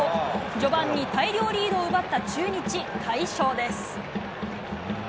序盤に大量リードを奪った中日、快勝です。